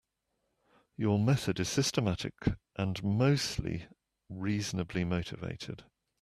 Your method is systematic and mostly reasonably motivated.